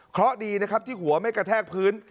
เคราะห์ดีที่หัวไม่กระแทกพื้น